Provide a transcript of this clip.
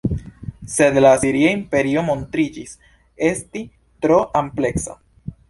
Sed la asiria imperio montriĝis esti tro ampleksa.